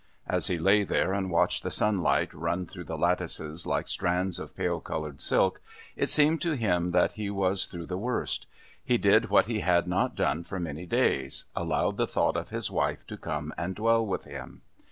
As he lay there and watched the sunlight run through the lattices like strands of pale coloured silk, it seemed to him that he was through the worst. He did what he had not done for many days, allowed the thought of his wife to come and dwell with him.